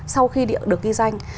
sau khi địa được ghi danh